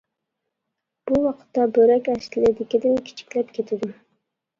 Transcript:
بۇ ۋاقىتتا بۆرەك ئەسلىدىكىدىن كىچىكلەپ كېتىدۇ.